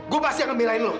gue pasti akan belain lo